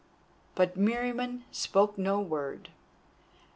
But Meriamun spoke no word.